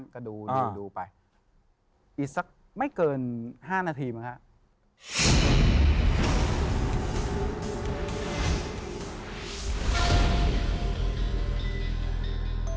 โปรดติดตามตอนต่อไป